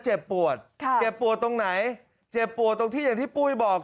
เจ็บปวดตรงไหนเจ็บปวดอย่างที่ปุ้ยบอกครับ